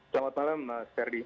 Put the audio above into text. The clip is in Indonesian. selamat malam mas ferdi